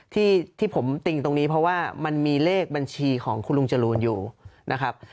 ที่ผมติ่งตรงนี้เพราะว่ามันมีเลขบัญชีของคุณลุงจรูนอยู่นะครับ